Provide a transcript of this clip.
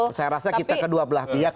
saya rasa kita kedua belah pihak